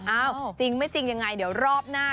จริงไม่จริงยังไงเดี๋ยวรอบหน้า